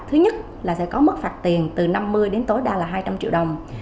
thứ nhất là sẽ có mức phạt tiền từ năm mươi đến tối đa là hai trăm linh triệu đồng